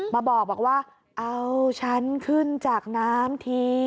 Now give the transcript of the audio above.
มาบอกว่าเอาฉันขึ้นจากน้ำที